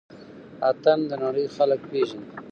اتڼ د نړۍ خلک پيژني